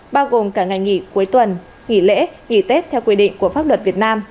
bao gồm cả ngày nghỉ cuối tuần nghỉ lễ nghỉ tết theo quy định của pháp luật việt nam